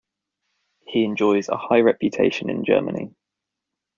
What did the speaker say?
He enjoys a high reputation in Germany.